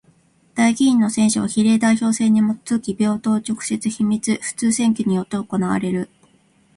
代議員の選挙は比例代表制にもとづき平等、直接、秘密、普通選挙によって行われる。